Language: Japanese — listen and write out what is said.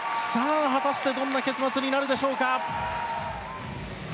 果たしてどんな結末になるでしょうか。